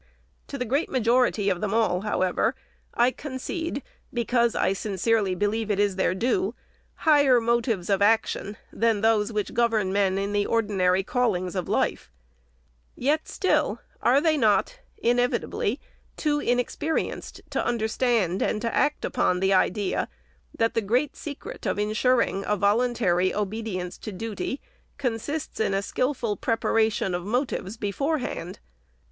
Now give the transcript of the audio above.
To the great ma jority of them all, however, I concede, because I sincerely believe it is their due, higher motives of action than those which govern men in the ordinary callings of life ; yet still, are they not, inevitably, too inexperienced to under stand and to act upon the idea, that the great secret of insuring a voluntary obedience to duty consists in a skil ful preparation of motives beforehand